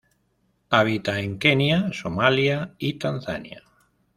Habita en Kenia, Somalia y Tanzania.